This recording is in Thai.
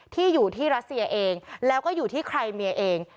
ที่อยู่ที่รัสเซียเองแล้วก็อยู่ที่ใครเมียเอง